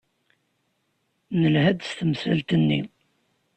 Nelha-d s temsalt-nni.